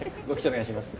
お願いします。